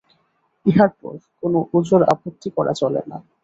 ইহার পর কোনো ওজর-আপত্তি করা চলে না।